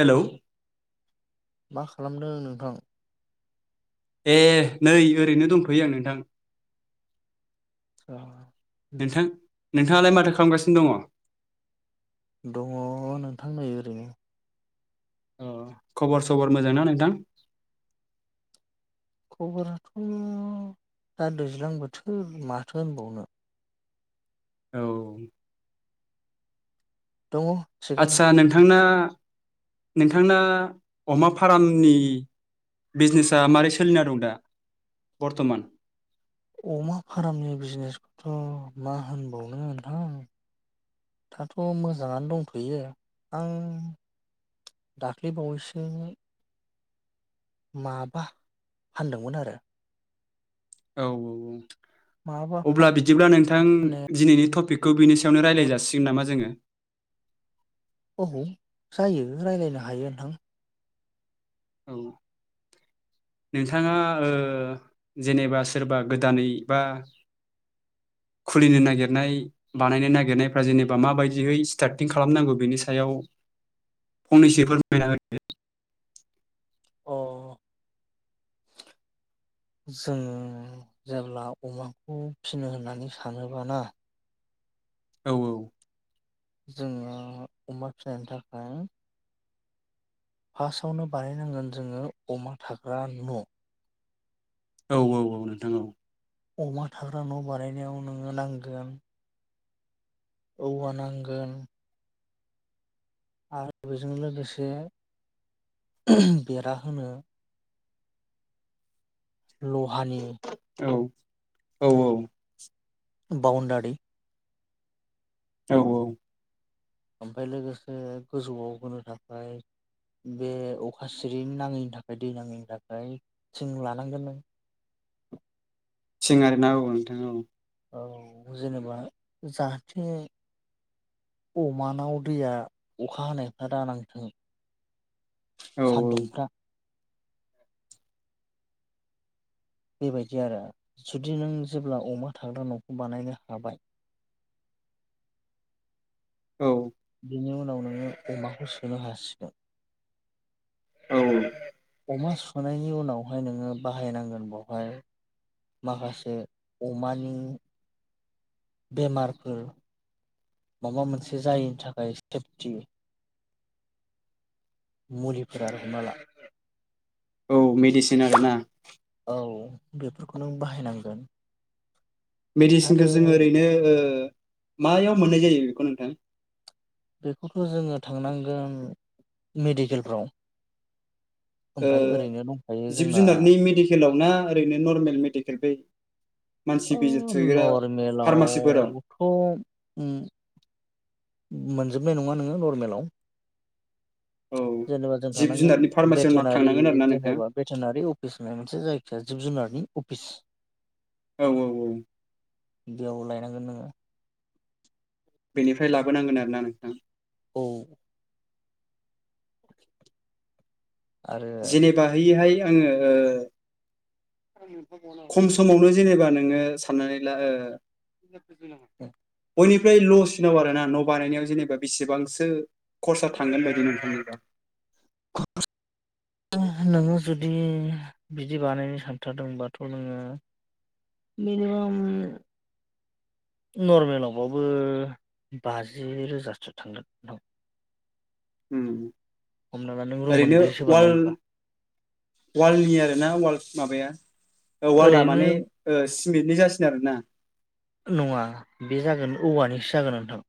हेल' मा खालामदों नोंथां नै ओरैनो दंफैयो आं नोंथां आसा नोंथां नोंथाङालाय माथो खालामगासिनो दङ। दङ नोंथां नै ओरैनो। अ खबर सबर मोजांना नोंथां? खबराथ' दा दैज्लां बोथोर माथो होनबावनो औ दङ थिगानो आचसा नोंथांना नोंथांना अमा फार्मनि बिजनेसा मारै सोलिना दं दा बर्थमान? अमा फार्मनि बिजनेसखौथ' मा होनबावनो नोंथां। दाथ' मोजाङानो दंथ'यो आं दाख्लै बावैसो माबा फान्दोंमोन आरो। औ औ औ माबा अब्ला बिदिब्ला नोंथां दिनैनि टपिकखौ बेनो याव रायलाय जासिगोन ना जोङो औ जायो राय्लायनो हायो नोंथां। औ नोंथाङा जेनेबा सोरबा गोदानै बा [unintelligible] खुलिनो नागिरनाय बानायनो नागिरनायफ्रा जेनेबा माबायदियै स्टार्टिं खालामनांगौ बेनि सायाव फंनैसो फोरमायना होदो अ जोङो जेब्ला अमाखौ फिनो होननानै सानोबाना औ औ जोङो अमा फिनायनि थाखाय फार्स्टआवनो बानायनांगोन जोङो अमा थाग्रा न' औ औ औ नोंथां औ अमा थाग्रा न' बानायनायाव नोङो नांगोन। औवानांगोन। आरो बेजों लोगोसे बेरा होनो। लहानि औ [inaudible] बाउण्डारि औ औ ओमफ्राय लोगोसे गोजौवाव होनो थाखाय बे अखा सिरि नाङैनि थाखाय दै नाङैनि थाखाय जों थिं लानांगोन नों [inaudible] थिं आरिना औ नोंथां औ। औ जेनेबा जाहाथे अमानाव दैया अखा हानायफ्रा दानांथों। औ सानदुंफ्रा बेबायदि आरो जुदि नों जेब्ला अमा थाग्रा न'खौ बानायनो हाबाय औ बेनि उनाव नोङो अमाखौ सोनो हासिगोन औ अमा सुननायनि उनावहाय नोङो बाहायनांगोन बेवहाय माखासे अमानि बेमारफोर माबा मोनसे जायिनि थाखाय सेफटि मुलिफोरा हमना ला औ मेडिसिन आरो ना। औ बेफोरखौ नों बाहायनांगोन। आरो मेडिसिनखो जोङो ओरैनो मायाव मोननाय जायो बेखौ नोंथां? बेखौथ' जोङो थांनांगोन मेडिकेलफ्राव। ओ ओमफ्राय ओरैनो दंखायो जिब जोंना जुनारनि मेडिकेलाव ना ओरैनो नर्मेल मेडिकेल बै मानसि अ बिजि थुग्रा फार्मासिफोराव नर्मेलावबोथ' उम मोनजोबनाय नङा नोङो नर्मेलाव। औ जेनेबा जों जिब थांनांगोन जुनारनि फार्मासियाव ना भेटेनारि थांनांगोन आरो ना नोंथां जेनेबा भेटेनारि अफिस होननाय मोनसे जायखिया जिब जुनारनि अफिस औ औ औ। बिदियाव लायनांगोन नोङो। बेनिफ्राय लाबोनांगोन आरोना नोंथां। औ [inaudible] आरो जेनेबा हैयोहाय आङो ओ खम समावनो जेनेबा नोङो साननानै ला ओ [inaudible] फ्राय ल'सिनाव आरो ना न' बानायनायाव जेनेबा बेसेबांसो करसा थांगोन बायदि नोंथांनिबा? नोङो जुदि बिदि बानायनो सानथारदोंबाथ' नोङो मिनिमाम नर्मेलाव बाबो बाजि रोजासो थांगोन दां। उम ला नों रुम ओरैनो मोनब्रैसो वाल बानायोबा वालनि आरोना वाल माबाया ओ वाला ओरैनो माने सिमेन्टनि जासिनो आरोना‌। नङा बे जागोन औवानिसो जागोन नोंथां।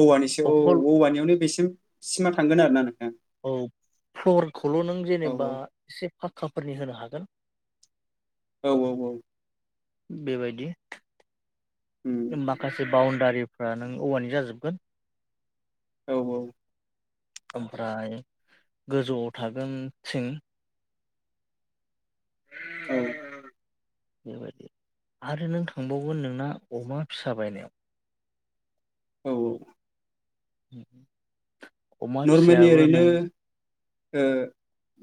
औवानिसो अखल औ औवानियावनो बेसिम सिमा थांगोन आरो ना नों औ फ्लरखौल नों औ जेनेबा एसे पाक्काफोरनि होनो हागोन। औ औ औ। बेबायदि उम माखासे बाउण्डारि फ्रा नों औवानि जाजोबगोन औ औ ओमफ्राय गोजौआव थागोन थिं। औ बेबायदि आरो नों थांबावगोन नोंना अमा फिसा बायनायाव। [inaudible] औ औ। [inaudible] अमा नर्मेलि फिसायाबो ओरैनो नों ओ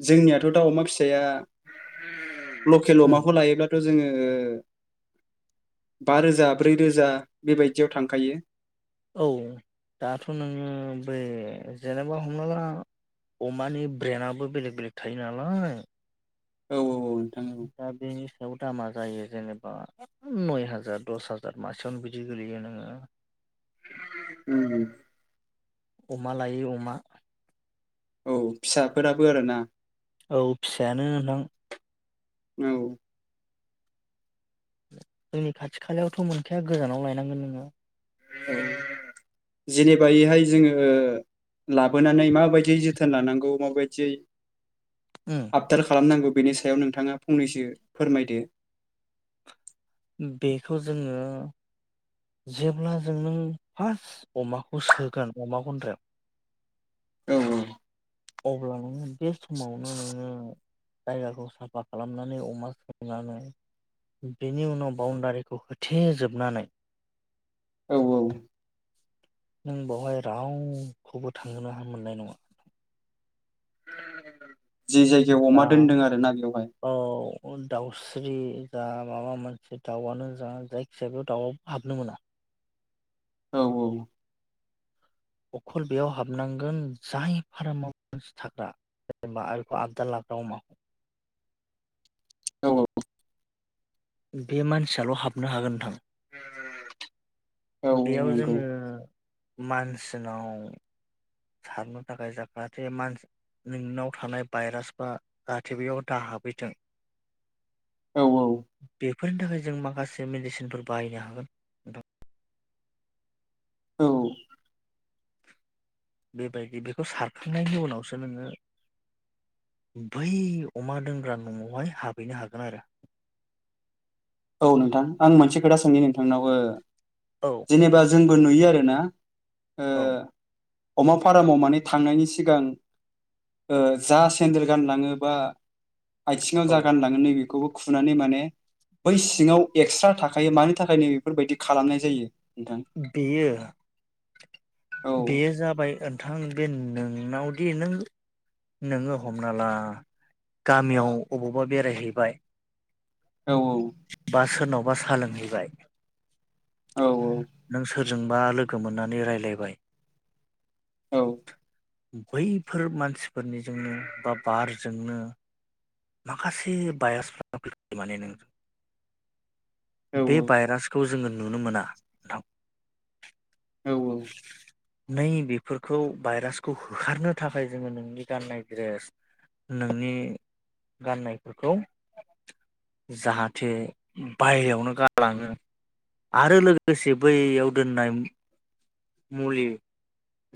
जोंनियाथ दाउ अमा फिसाया लकेल अमाखौ लायोब्लाथ जोङो ओ बा रोजा ब्रै रोजा बेबायदियाव थांखायो औ दाथ नोङो बै जेनेबा हमना ला अमानि ब्रेन्डआबो बेलेक बेलेक थायो नालाय। औ औ औ। नोंथां औ दा बे बेयाव दामा जायो जेनेबा नय हाजार दस हाजार मासेयावनो बिदि गोलैयो नोङो [inaudible] उम अमा लायै अमा औ फिसाफोराबो आरोना। औ फिसायानो नोंथां औ जोंनि खाथि खालायावथ' मोनखाया गोजानाव लायनांगोन नोङो औ जेनेबायैहाय जोङो लाबोनानै माबायदियै जोथोन लानांगौ माबायदियै आबदाल खालामनांगौ बेनि सायाव नोंथाङा फंनैसो फोरमायदो बेखौ जोङो जेब्ला जों नों फार्स्ट अमाखौ सोगोन अमा गन्द्रायाव औ औ अब्ला नोङो बे समावनो नोङो जायगाखौ साफा खालामनानै अमा सोंनानै बेनि उनाव बाउण्डारिखौ होथेजोबनानै औ औ नों बावहाय रावखौबो थांनो मोननाय नङा जि जायगायाव अमा दा दोनदों आरोना बेवहाय औ दाउस ख्रि जा माबा मोनसे दाउआनो जा जायखि जाया बेयाव दाउआव हाबनो मोना औ औ अखल बेयाव हाबनांगोन जाय फार्माव मानसि थाग्रा जेनेबाखौ आबदा ला दाउ अमा औ बे मानसियाल' हाबनो हागोन नोंथां औ औ बेयाव नंगौ जोङो मानसिनाव सारनो थाखाय जाहाथे मान नोंनाव थानाय भाइरास बा जाहाथे बेयाव दा हाबहैथों औ औ बेफोरनि थाखाय जों माखासे मेडिसिनफोर बाहायनो हागोन नोंथां औ बेबायदि बेखौ सारखांनायनि उनावसो नोङो बै अमा दोनग्रा न'वावहाय हाबहैनो हागोन आरो [inaudible] औ नोंथां आं मोनसे खोथा सोंनि नोंथांनाव ओ औ जेनेबा जों बो नुयो आरोना ओ औ अमा फारामाव माने थांनायनि सिगां ओ जा सेन्देल गानलाङो बा आथिङाव औ जा गानलाङो नैबेखौबो खुनानै माने बै सिङाव एक्सट्रा थाखायो मानि थाखाय नै बेफोरबादि खालामनाय जायो नोंथां बेयो औ बेयो जाबाय नोंथां बे नोंनावदि नों नोङो हमना ला गामियाव अबावबा बेरायहैबाय औ औ अबबा सा लोंहैबाय औ औ जोंबा लोगो मोननानै रायलायबाय औ बैफोर मानसिफोरनिजोंनो बा बारजोंनो माखासे बायरासफोर फैयो माने नों औ बे भाइरासखौ जोङो नुनो मोना नोंथां औ औ नै बेफोरखौ भाइरासखौ होखारनो थाखाय जोङो नोंनि गाननाय द्रेस नोंनि गाननायफोरखौ जाहाथे बायहेरायावनो गालाङो आरो लोगोसे बैयाव दोननाय मुलि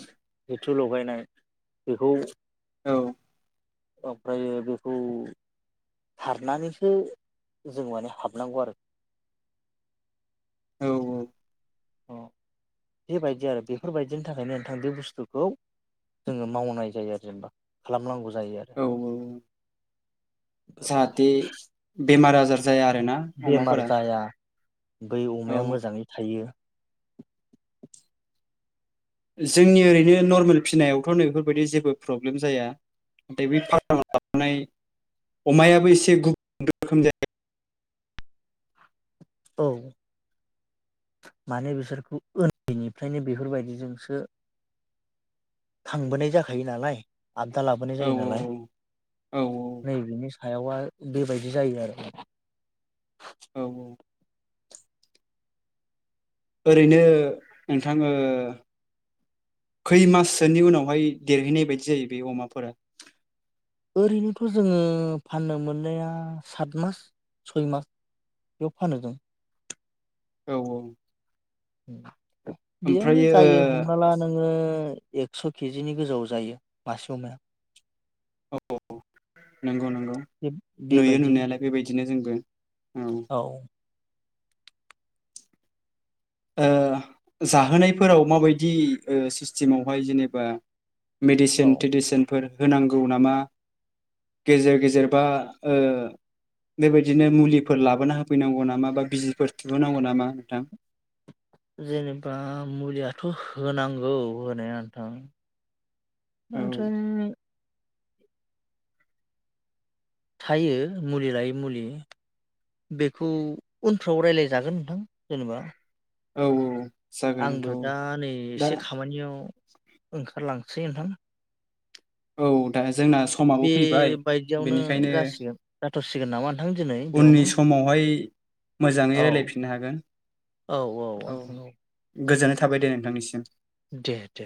जिथु लगायनाय बेखौ औ ओमफ्राय बे खौ सारनानैसो जों माने हाबनांगौ आरो [inaudible] औ औ अ बेबायदि आरो बेफोरबायदिनि थाखायनो नोंथां बे बुस्थुखौ जोङो मावनाय जायो आरो जेनेबा खालामनांगौ जायो आरो औ औ जाहाथे बेमार आजार जाया आरो ना बेमार अमाफोरा जाया बै औ अमाया मोजाङै थायो जोंनि ओरैनो नर्मेल फिसिनायावथ' नैफोरबायदि जेबो प्रब्लेम जाया नाथाय बे फार्माव लाबोनाय अमायाबो एसे गुबुन रोखोम जायो औ माने बिसोरखौ उन्दैनिफ्रायनो बेफोरबायदिजोंसो खांबोनाय जाखायो नालाय आददा लाबोनाय औ जायो नालाय औ नै बिनि सायावबा बेबायदि जायो आरो ना औ ओरैनो नोंथां ओ खै माससोनि उनावहाय देरहैनाय बायदि जायो बे अमाफोरा ओरैनोथ' जोङो फाननो मोननाया सात मास सय मास बेयाव फानो जों औ औ बेयावनो ओमफ्रायो जायो हमना ला नोङो एकस' केजिनि गोजौवाव जायो मासे अमाया औ नंगौ नंगौ नुयो बेबायदि नुनायालाय बेबायदिनो जोंबो औ जाहोनायफोराव माबायदि सिस्टेमावहाय जेनेबा मेडिसिन औ तिडिसिनफोर होनांगौ नामा गेजेर गेजेर बा ओ बेबायदिनो मुलिफोर लाबोना होफैनांगौ नामा बा बिजिफोर थहोनांगौ नामा नोंथां जेनेबा मुलियाथ होनांगौ होनाया नोंथां औ नाथाइ थायो मुलि लायै मुलि बेखौ उनफ्राव रायज्लाय जागोन नोंथां जेनेबा औ औ जागोन आंबो नोंथां औ दा नै दा एसे खामानियाव ओंखारलांसै नोंथां औ दा जोंना समाबो फैबाय बेबायदियावनो बेनिखायनो जासिगोन जाथ'सिगोन नामा नोंथां दिनै बेयावनो उननि समावहाय मोजाङै औ रायलायफिननो हागोन औ गोजोननाय थाबाय दे नोंथांनिसिम दे दे